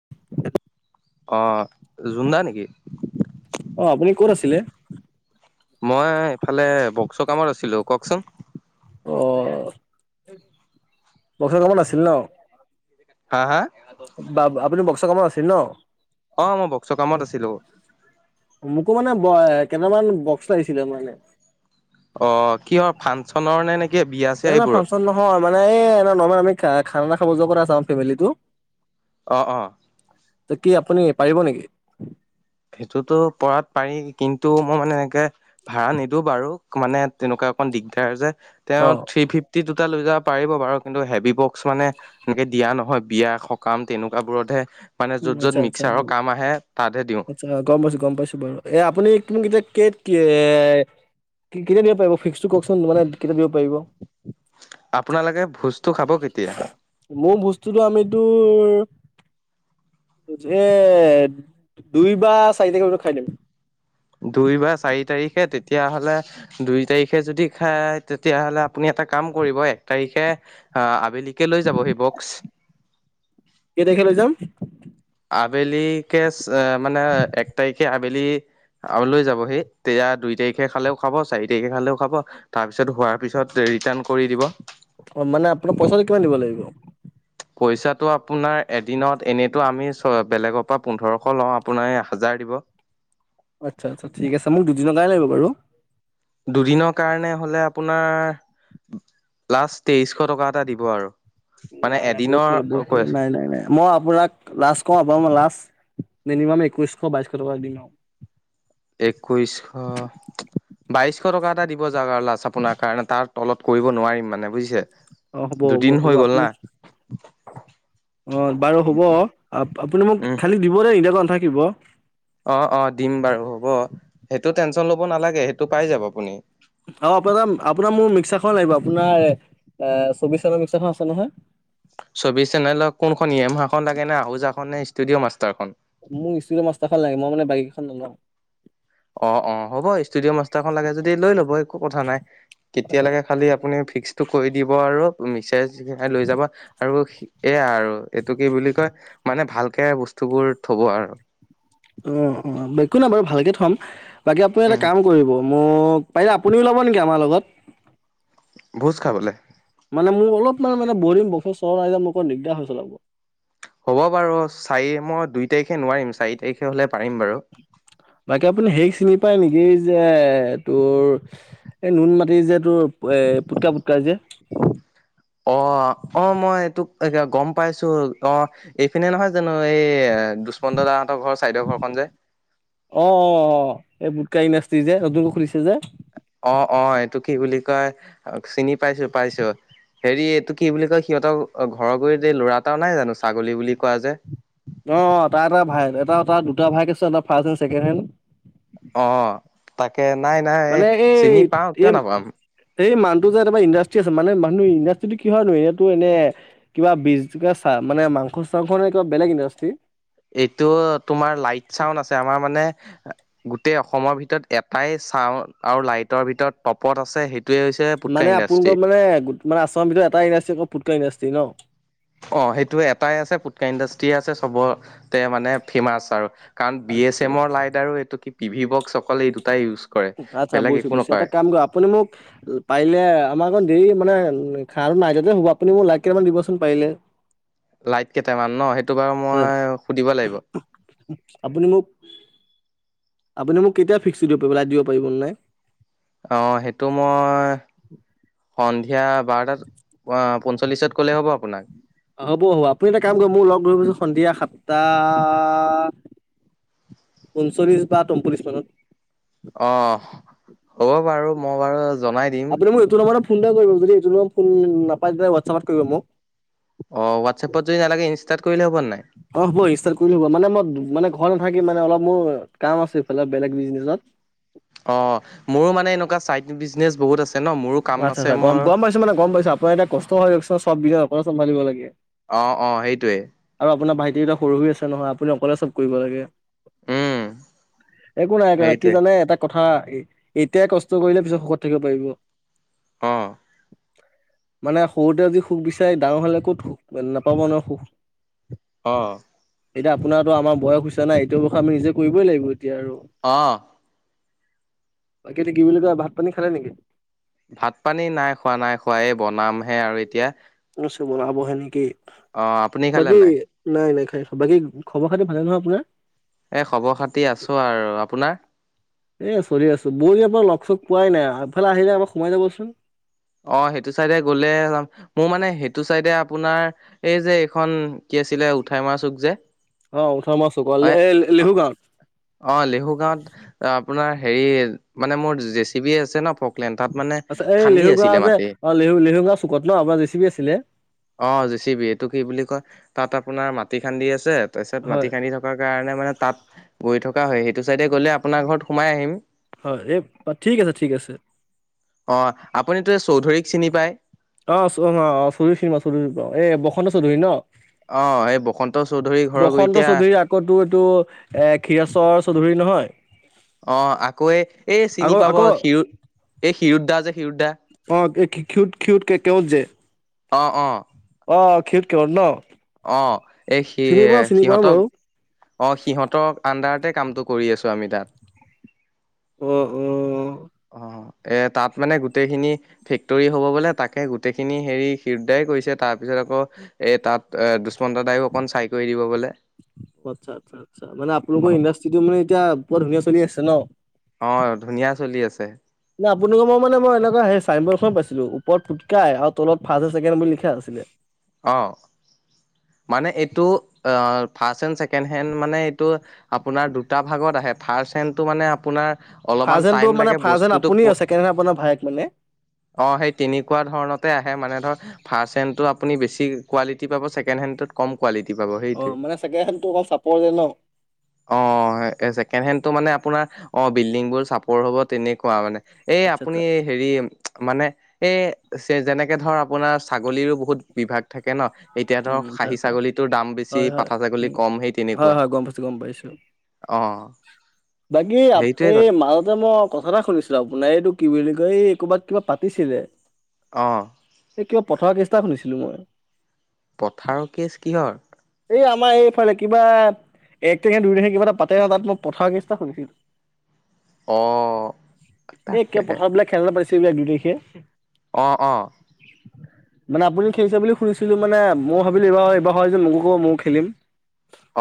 [unintelligible] আহ জুনদা নেকি? অ আপুনি ক'ত আছিলে? মই ইফালে বক্স কামত আছিলো কওঁকচোন। অ', বচৰ কামত আছিল ন? হা হা ব আপুনি বক্সা কামত আছিল ন? অ মই বক্সৰ কামত আছিলো মোকো মানে কেইটামান বক্স লাগিছিলে মানে। অ', কিহৰ ফাংচনৰ নে নেকি? বিয়া চিয়া নাই-নাই এইবোৰৰ ফাংচন নহয় মানে এই নৰ্ম আমি খানাা খাব যোৱা আছো ফেমিটো। অ'-অ'। ত কি আপুনি পাৰিব নেকি? সেইটোতো পৰাত পাৰি। কিন্তু মই মানে এনেকে ভাড়া নিদিওঁ বাৰু মানে তেনেকুৱা অকণ দিগদাৰ যে। অ তেওঁ থ্ৰী ফিফটি দুটা লৈ যা পাৰিব বাৰু কিন্তু হেভি বক্স মানে এনেকে দিয়া নহয় বিয়া সকাম তেনেকুৱাাবোৰতহে মানে উম আচ্ছা য'ত-য'ত আচ্ছা মিক্সাৰৰ কাম আহে, তাতহে দিওঁ। আচ্ছা গম পাইছো-গম পাইছো বাৰু এ আপুনি কিতিয়া কে এ কেতিয়া দিব পাৰিব? ফিক্সটো কওকচোন মানে কটাাপ দিব পাৰিব? আপোনালোকে ভোজটো খাব কেতিয়া মোৰ বস্তুটো আমিতো দুই বা চাৰি তাৰিখ ভিতৰত খাইদিম। দুই বা চাৰি তাৰিখে তেতিয়াহ'লে দুই তাৰিখে যদি খায় তেতিয়াহ'লে আপুনি এটা কাম কৰিব এক তাৰিখে আহ, আবেলিকে লৈ যাব সি বক্স। কে তাৰীখে লৈ যাম? আবেলিকে মানে এক তাৰিখে আবেলি আৰু লৈ যাব সেই তেয়া দুই তাৰিখে খালেও খাব, চাৰি তাৰিখে খালেও খাব তাৰ পিছত হোৱাৰ পিছত ৰিটাৰ্ণ কৰি দিব। অ', মানে আপোনাৰ পইচাটো কিমান দিব লাগিব? পইচাটো আপোনাৰ এদিনত এনেইতো আমি বেলেগৰ পৰা পোন্ধৰশ লওঁ আপোনাৰ হাজাৰ দিব। [inaudible] আচ্ছা-আচ্ছা ঠিক আছে মোক দুদিনৰ কাৰণে লাগিব বাৰু। দুদিনৰ কাৰণে হ'লে আপোনাৰ লাষ্ট তেইশ টকা এটা দিব আৰু। মানে নাই-নাই বহুত কৰিলে বহুত এদিনৰ কৰিলে নাই-নাই-নাই মই আপোনাক লাষ্ট কম লাষ্ট মিনিমাম একৈশশ, বাইশশ টকা দিম আৰু। একৈশ বাইশ টকা এটা দিব যাওক আৰু লাজ আপোনাৰ কাৰণে তাত তলত কৰিব নোৱাৰিম মানে বুজিছে? অ', দুদিন হ'ব-হ'ব-হ'ব হৈ গ'ল আপুনি না অ', বাৰু হ'ব আপুনি মোক খালি দিব দেই এদাক নাথাকিব। অ'-অ', দিম বাৰু হ'ব। সেইটো টেনচন ল'ব নালাগে সেইটো পাই যাব আপুনি। খ লাগিব। আপোনাৰ এ চৌবিশ চনৰ মিক্সাৰখন আছে নহয়? চৌবিশ চেনেলৰ কোনখন ই এমহাখন লাগে নে, আহোজান, নে ষ্টুডিঅ মাষ্টাৰখন? মোক ষ্টুডিঅ মাষ্টাৰখন লাগে মই মানে বাইক এখন নলাওঁ। অ'-অ', হ'ব ষ্টুডিঅ মাষ্টাৰখন লাগে যদি লৈ ল'ব একো কথা নাই। আচ্ছা কেতিয়ালগে খালি আপুনি ফিক্স তটো কৈ দি আৰু [unintelligible] লৈ যাবা আৰু এই আৰু এইটো কি বুলি কয় মানে ভাল তেকে বস্তু বোৰ থব আৰু। অ'-অ', একো নাই বাৰু ভালকে থম, বাকী আপুনি এটা উম কাম কৰিব। মোক পাৰিলে আপুনিওলব নেকি আমাৰ লগত? ভোজ খাবলে? মানে মোৰ অলপ মান মানে বহু দিন বচৰ চলোৱা নাই যে মোক দিগদাৰ হৈ চলাব। হ'ব বাৰু চাৰি মই দুই তাৰিখে নোৱাৰিম চাৰি তাৰিখে হ'লে পাৰিম বাৰু বাকী আপুনি সেই চিনি পায় নেকি যে তোৰ এই নুন মাটি যে তোৰ এ পুটকা পুটকা যে অ অ মই এই তোক এ গম পাইছো অ এইফিনে নহয় জানো এই দুষ্মন্ত দা ৰ ঘৰ চাইদেউ ঘৰখন যে। অ অ অ এই বুটকা ইনডাচট্ৰি যে নতুনক খুলিছে যে। অ অ এইটো কি বুলি কয় চিনি পাইছো পাইছো। হেৰি এইটো কি বুলি কয় সিহঁতক ঘৰৰ গৈ যে ল'ৰা এটাও নাই জানো ছাগলী বুলি কোৱা যে। অ তাৰ এটা ভাই এটা অ দুটা ভাইক আছে এটা ফাৰ্ষ্ট হেণ্ড ছেকেণ্ড হেণ্ড। অ তাকে নাই নাই এই মানে চিনি পাওঁ কিয় নাপাম। টো যে তাৰ ইণ্ডাষ্ট্ৰি আছে মানে মানুহ ইণ্ডাষ্ট্ৰিটো কি হয় নো এইয়াটো এনে কিবা বিজনেজ চা মানে [unintelligible] নে কিবা বেলেগ ইণ্ডাষ্ট্ৰী এইটো তোমাৰ লাইট চাউণ্ড আছে আমাৰ মানে গোটেই অসমৰ ভিতৰত এটাই চাউ আৰু লাইটৰ ভিতৰত টপত আছে সেই- মানে আপোনালোক মানে আচৰণ ভিতৰত এটাই ইণ্ডাষ্ট্ৰি ফুটকা ইণ্ডাষ্ট্ৰি ন অ সেইটো এটাই আছে পুটকা ইণ্ডাষ্ট্ৰি আছে চবতে মানে ফেমাচ আৰু। কাৰণ বি এছ আচ্ছা এমৰ আচ্ছা লাইট আৰু এইটো কি পি ভি বক্স অকলে এই দুটাই ইউজ কৰে। আচ্ছা বেলেগ বুইছো একো বুজছো নকৰে। এটা কাম কৰ আপুনি মোক পাৰিলে আমাৰ এ দেৰি মানে লৈ খানা তো নাইটতে হ'ব আপুনি মোক লাইত কেইটামান দিবচোন পাৰিলে। লাইট কেইটামান ন সেইটো বাৰু হয় মই সুধিব লাগিব। আপুনি মোক আপুনি মোক কেতিয়া ফিক্সটো দিব পাৰিব লাইট দিব পাৰিব অননাই। অঁ সেইটো মই সন্ধিয়া বাৰটাত পঞ্চল্লিশত ক'লে হ'ব আপোনাক? হ'ব হ'ব আপুনি এটা কাম কৰিব মোক লগ ধৰিবছোন সন্ধিয়া সাতটা পঞ্চল্লিশ বা তমপল্লিশ মানত। অ হ'ব বাৰু মই বাৰু, জনাই দিম। আপুনি মোক এইটো নম্বৰ ফোন এটা কৰিব। যদি এইটো নম্ব ফোন নাপায় তেতিয়া হোৱাটচএপত কৰিব মোক। অ হোৱাটচএপত যদি নালাগে, ইনষ্টাৰ্ট কৰিলে হ'ব নাই? অ হ'ব ইষ্টাৰ্ত কৰিলে হ'ব মানে মই মানে ঘৰ। ত থাকি মানে অলপ মোৰ কাম আছে। এইফালে বেলেগ বিজনেচত। অ মোৰো মানে এনেকুৱা চাইড বিজনেচ বহুত আছে। ন মোৰো কাম আচ্ছা আছে আচ্ছা মোৰ গম পাইছো মানে গম পাইছো। আপোনাৰ এতিয়া কষ্ট হয় চ চববিধে আপোনাতো চম্ভালিব লাগে। অ অ সেইটোয়ে তে এটা সৰু হৈ আছে নহয়। আপুনি অকলে চব কৰিব লাগে। উম, একো নাই একো নাই। কি সেইটোৱে জানে এটা কথা এতিয়াই কষ্ট কৰিলে পিছত সুখত থাকিব পাৰিব। অ। মানে সৰুতে যদি সুখ বিচাৰে ডাঙৰ হলে ক'ত সুখ নাপাব ন সুখ। অ। এতিয়া আপোনাৰতো আমাৰ বয়স হৈছে নাই, এইটো বয়সত আমি নিজে কৰিবই লাগিব এতিয়া আৰু। অ বাকীটো কি বুলি কয় ভাত পানী খালে নেকি ভাত পানী নাই খোৱা নাই খোৱা। এ বনামহে আৰু এতিয়া। বনাবহে নেকি? অ', আপুনি খালে বাকী নাই? নাই নাই। বাকী খবৰ খাতি ভালে নহয় আপোনাৰ? এ খবৰ খাতি আছো আৰু আপোনাৰ এ চলি আছো, বৌয়ে আপোনাৰ লগ চগ পোৱাই নাই আগফালে আহিলে এবাৰ সোমাই যাবচোন। অ সেইটো চাইডে গলে, মই মানে সেইটো চাইডে আপোনাৰ এই যে এইখন কি আছিলে উঠাই মাৰ চুক যে অ ওঠৰ মোৱা চুক অ লে হয় এ লিহু গাঁৱত অ লেহু গাঁৱত আপোনাৰ হেৰি মানে মোৰ জেচি বি আছে ন ফকলেণ্ড তাত মানে আতছা এই খান্দি লেহু আছিলে গাওঁ যে মাটি অ লেহু লেহু গাওঁ চুকত ন। আপোনাৰ জে চি পি আছিলে। অ জেচিবি। এইটো কি বুলি কয় তাত আপোনাৰ মাটি খান্দি আছে তাৰপিছত হয় মাটি খান্দি থকাৰ কাৰণে মানে তাত গৈ থকা হয় সেইটো চাইডে, গ'লে আপোনাৰ ঘৰত সোমাই আহিম। হয়। এই ঠিক আছে ঠিক আছে। অ আপুনিতো এই চৌধুৰীক চিনি পায়? অ', চ অ'-অ', ছিঙি পাওঁ চৌধুৰীক পাওঁ। এই বসন্ত চৌধুৰী ন? অ এই বসন্ত চৌধুৰী ঘৰৰ বসন্ত এতিয়া চৌধুৰীৰ আকো টোৰ এটো এ ক্ষিৰেচৰ চৌধুৰী নহয়? অ', আকৌ এই চিনি আকৌ পাব আকৌ শিৰো এই শিৰোদদা যে শিৰোদা? অ', এই ক্ষীৰোদ-ক্ষীৰোদ ত্ৰেক্টৰত যে? অ'-অ'। অ', খেটখেলত ন? অ', এই সি চিনি পাওঁ চিনি পাওঁ সিহঁতক, বাৰু অ', সিহঁতৰ আনদাৰ তে কামটো কৰি আছো আমি তাত। অ'-অ'। অ'। এ তাত মানে গোটেই খিনি ফেক্টৰী হ'ব বোলে। তাকে গোটেই খিনি হেৰি ক্ষীৰোদ দাই কৰিছে তাৰ পিছত তাৰপিছত আকৌ এ তাত দুষ্মন্ত দাইও অকণ চাই কৰি দিব বোলে। অ', আচ্ছা-আচ্ছা-আচ্ছা। মানে অ আপোনালোকৰ ইণ্ডাষ্ট্ৰি টো মানে এতিয়া বুৰ ধুনীয়া চলি আছে ন? অ ধুনীয়া চলি আছে ন আপোনালোকৰ মই মানে মই এনেকুৱা চাইন বৰ্ড এখন পাইছিলো। ওপৰত ফুটকাই আৰু তলত ফাষ্ট, চেকেণ্ড বুলি লিখা আছিলে। অ'। মানে এইটো ফাৰ্ষ এণ্ ছেকেণ্ড হেড মানে এইটো আপোনাৰ দুটা ভাগত আ ফাৰ্ষ্ট হেণ্টো মানে আপোনাৰ অলপমান টাইম ফাৰ্ষটনতটো মানে লাগে ফাৰ্ষন বস্তুটো আপুনি আছেণ্ডেন আপোনাৰ ভাইক মানে। অ', সেই তেনেকুৱা ধৰণতে আহে মানে ধৰ ফাৰ্ষ্ট হেণ্ডটো আপুনি বেছি কোৱালিটি পাব, ছেকেণ্ড হেণ্ডটো কম কোৱালিটি পাব অ', সেইটোৱে মানে চাগেহেন তো অকণ চাপৰ যে ন? অ', ছেকেণ্ড হেণ্ডটো মানে আপোনাৰ অ', বিল্ডিং বোৰ চাপৰ হ'ব তেনেকুৱা মানে। এই আচ্ছা আপুনি আচ্ছা হেৰি মানে এই যেনেকে ধৰ আপোনাৰ ছাগলীৰো বহুত বিভাগ থাকে ন? এতিয়া ধৰ উম আচ্ছা খাঁহী আচ্ছা ছাগলীটোৰ দাম বেছি হয় হয় পাঠা ছাগলী উম কম হেই হয় তেনেকুৱা। হয় গম পাইছো গম পাইছো। অ'। বাকী আ সেইটোৱে [unintelligible] ক এই মাজতে মোক, কথা এটা শুনিছিলো আপোনাৰ এইটো কি বুলি কয় এই ক'ৰবাত কিবা পাতিছিলে। অ'। এই কিবা পথাৰৰ কেছ এটা শুনিছিলো মই। পথাৰৰ কেছ কিহৰ? এই আমাৰ এইফালে কিবা এক তাৰিখে নে দুই তাৰিখে কিবা এটা পাতে ন তাত মই পথাৰ কেছটা অ', শুনিছিলো। এই কিয় তাকে পথাৰত বোলা খেলা পাতিচিল বুলে দু তাৰিখে? অ', অ', মানে আপুনি খেলিছে বুলি শুনিছিলো মানে মই ভাবিলো এইবাৰ-এইবাৰ হয় যদি মোকো কব মইও খেলিম।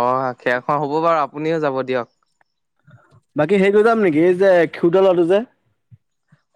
অ', খেল খন হ'ব বাৰু, আপুনিও যাব দিয়ক। বাকী হেৰিক লৈ যাম নেকি, এই যে ক্ষীৰোদৰ কৰাটো যে?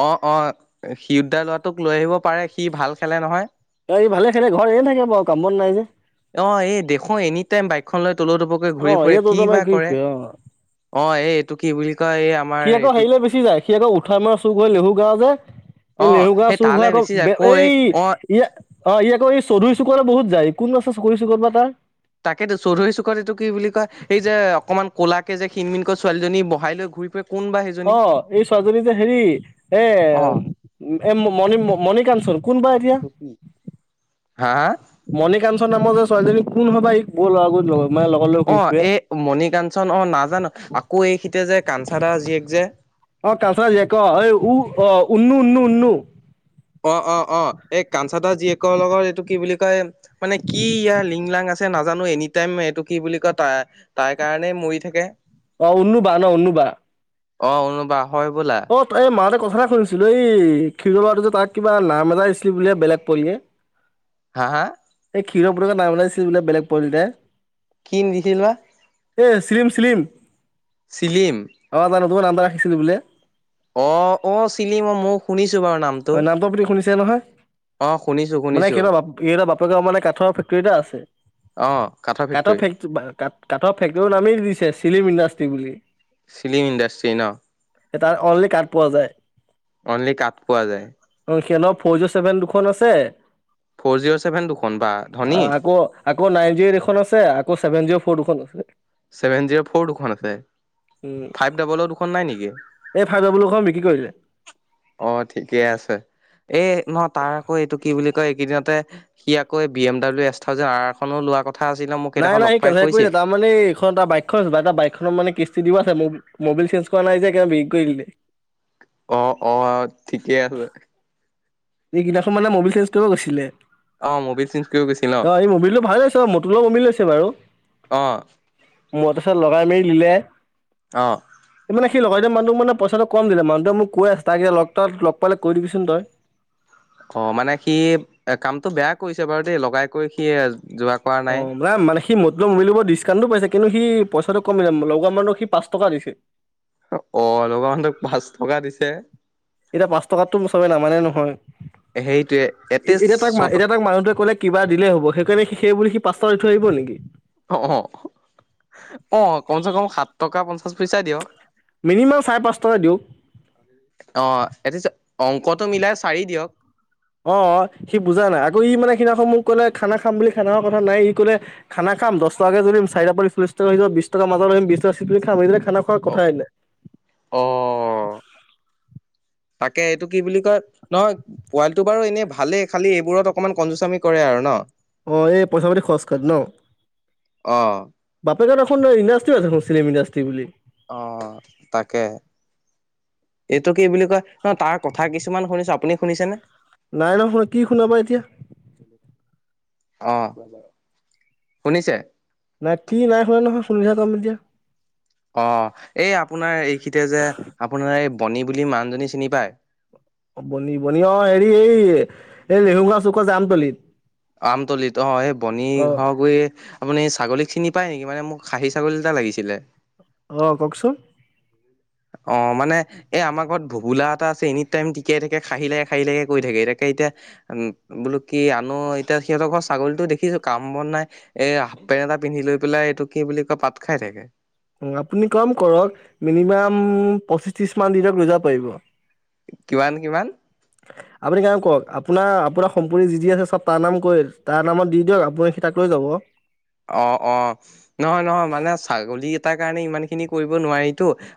অ'-অ', সিৰোড ডাৰ লোৱাটোক লৈ আহিব পাৰে সি ভাল খেলে নহয়? এ ই ভালে খেলে ঘৰত এনে থাকে বাৱ কাম বন নাই যে। অ', এই দেখো এনি টাইম বাইকখন লৈ তল তলকৈ ঘূৰি অ ফুৰে, ইয়াত কি তমাৰ বা ঘূৰি কৰে। ফুৰে অ এইটো কি বুলি কয় এই আমাৰ সি আকৌ এইটো হেৰিলে গুচি যায়, সি আকৌ উঠাই মাৰ চুক হৈ লেহু গা যে। এই অ লেহু ঘৰা সেই চুহ ঘৰা তালৈ বেছি যায় ক আকৌ এই অ ইয়াত অ', ই আকৌ এই চৌধুৰী চুকুৰ লৈ বহুত যায়, কোন আছে ছকুৰি চুকৰুত বা তাৰ? তাকেতো চৌধুৰী চুকট এটো কি বুলি কয় এই যে অকমান ক'লাকে যে সিনমিনকৈ ছোৱালীজনী বহাই ল ঘূৰি ফুৰে। কোন বা সেইজনী অ এই ছোৱজনী যে হেৰি এ। অ এ ম মণিকাঞ্চন কোন বাই এৰিয়া হা হা। মণিকাঞ্চন নামৰ যে ছোৱালীজনী কোন হয় বা ই লগত মানে লগত লৈ অ ঘূৰি ফুৰে এই মণি কাঞ্চন অ নাজানো আকৌ এইখিতে যে কাঞ্চাদা জীয়েক যে। অ কচা যে ক এই অ উন্ন উন্ন উন্ন অ অ অ এই কাঞ্চাদা জীয়েকৰ লগত এইটো কি বুলি কয় মানে কি ইয়াৰ লিংলাং আছে। আছে নাজানো এনি টাইম এইটো কি বুলি কয় তাৰ তাই কাৰণেই মৰি থাকে। অ উন্নো বা ন উন্নো বা। অ উন্নো বা। অ এই মাৰ কথা এটা শুনিছিলো এই ক্ষীৰোৱাটো যে তাক কিবা নাম এটা দিছিলি বুলিয়ে বেলেগ পোৱালিয়ে। হা হা? ক্ষিৰ পুতেক নাম উলাইছিল বোলে বেলেগ পোৱলি এটাই। কিন দিছিল না [unintelligible] এ চিলিম চিলিম- চিলিম। তোমাৰ আম [unintelligible] ৰাখিছিলোঁ বোলে? অ অ চিলি মই মই শুনিছো। অ নামটো আপুনি শুনিছে নহয়। অ শুনিছো মানে শুনিছো সা বাপ এইটা বাপেগাঁৱৰ মানে কাঠৰ ফেকটাৰি এটা আছে অ কাঠৰ ফেক্টৰী ফেক্ট ক কাঠৰ ফেক্টৰী নামেই দিছে চিলিম ইণ্ডাষ্ট্ৰি বুলি। ফিলিম ইণ্ডাষ্ট্ৰ্ৰী ন তাৰ অনলি কাঠ পোৱা যায়। অনলি কাপ পোৱা যায়। অ, ফ'ৰ জ চছেভেন দুখন আছে। ফ'ৰ জিৰ' ছেভেন দুখন বা অ ধনী আকৌ আকৌ নাইন জি দেখন আছে আকৌ চছেভেন জি ফটোখন আছে। চেভেন জিৰ' ফৰ দুখন আছে। উম ফাইভ ডাবলৰ দুখন নাই নেকি এই ফাৰজ বলু খ বিক্ৰী কৰিলে অ ঠিকে আছে এই ন তাৰ আকৌ এইটো কি বুলি এইকেইদিনতে সি আকৈ B M W S thousand আৰখনো লোৱা কথা। আছিলে মোক নাই সেইদিনাখন লগ নাই সি পাই কেথ কৈছিল কৰিছে তাৰমান এইখন এটা বাইকখন আা এটা বাইকখননৰ মানে কিস্তি দিব। মোবাইল চেঞ্জ কৰা নাই যে ভেৰি কৰিলে, অ অ ঠিকেই আছে। এই কেইনাখন মানে মবাইল চেঞ্জ কৰিব গৈছিলে। অ মবিল চেঞ্জ কৰিব গৈছিল ন অ এই মবিলটো ভাল লছে মট অলপ মবিল আছে বাৰু। অ মটৰ চাৰ লগাই মেলি লিলে অঁ সি লগয় এতি মানুহ মান পইচাটো কম দিলে মানুহটোক কৈ আছে তাক এতিয়া লগ তাত লগ পালাই কৈ দিবিচোন তই অ মানে সি কামতটো বেয়া কৰিছে বাৰু দেই লগাই কৰি সি। যোৱা কৰা অ নাই মানে সি মতলব মৰিলব ডিচকাউণ্টটো পাইছে। কিন্তু সি পইচাটো কমি যাম লগোৱা মানুহক সি পাঁচ টকা দিছে অল মান তোক পাঁচ টকা দিছে। এতিয়া পাঁচ টকাতটো চবেই নামানে নহয়। সেইটোৱে এটলিষ্ট এতিয়া তাক ছট এতিয়া তাক মানুহটোৱে ক'লে কিবা দিলেই হ'ব সেইকাৰে সেইবুলি সি পাঁচট লৈ থৈ আহিব নেকি? অ অ আহ কমচ কম সাত টকা পঞ্চাশ পইচা দিয়ে। মিনিমাম চাৰে পাঁচ টকা দিয়ক। অ। এি অংকটো মিলাই চাৰি দিয়ক। অ সি বুজা নাই আকৌ ই মানে সেইদিনাখন মোক কলে খানা খাম বুলি খানা কথা নাই ই কলে খানা খাম দহ টাকৈ যদি চাৰিটা পিলি টকা য বিশ টকা মাজা বিশ তকা চ খাম [unintelligible] খানা খোৱাৰ অ কথা এ নাই। অ তাকে এইটো কি বুলি কয় নহয় পোৱালি। টো বাৰু এনেই ভালেই খালি এইবোৰত অকনমান কজুচামি কৰে আৰু ন অ এই পইচ পাতি খৰচ কৰে নাপ অ বত এখন ইণদ্ৰাষ্ট্ৰি আছে নিলম ইণ্ডাষ্ট্ৰি বুলি। অ তাকে, এইটো কি বুলি কয় ন তাৰ কথা কিছুমান শুনিছো আপুনি শুনিছেনেে নাই ন শুনা কি শুনাবা এতিয়া। আহ শুনিছে। নাই কি নাই শুনে নহয় শুনিছা তম এতিয়া অ এই আপোনাৰ এইখিতে যে আপোনাৰ এই বণী বুলি মানুহজনী চিনি পায়। বনি বনি অ হেৰি এই এই লৰেহুগা চুক যাম তলিত আমতলিত অ সেই বনি অ'। ঘৰ গুৰি আপুনি ছাগলীক চিনি পায় নেকি মানে মোক খাহী ছাগলী এটা লাগিছিলে আহ কওকচোন অ মানে এ আমাৰ ঘৰত ভবোলাত। আছে এনি টাইম টিকাই থাকে খাহিল লাগে খাহ লকে কৈ থাকে এতিাকে এতিয়াম বলো কি আন এতিয়া। সিহঁতৰ ঘৰ ছাগলীতো দেখিছো কাম বন নাই এ হাফ পেণ্ট এটা পিন্ধি লৈ পেলাই এইটো কি বুলি কয় পাত খাই থাকে আপুনি কম কৰক মিনিমাম পঁচিছ ত্ৰিশ মান দিনক লৈ যাব পাৰিব কিমান কিমান। আপুনি কাম কৰক আপোনাৰ আপোনাৰ সমম্পতি যি যি আছে চব তাৰ নাম কয় তাৰ নামত দি দিয়ক আপুনি সেই ল যাব অ অ নহয় নহয় মানে ছাগলীকেইটাৰ কাৰণে ইমান খিনি কৰিব নোৱাৰিতো আৰু